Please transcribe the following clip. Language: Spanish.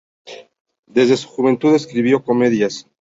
Desde su juventud escribió comedias.